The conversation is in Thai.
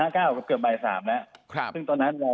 เกือบบ่ายสามแล้วซึ่งตอนนั้นโม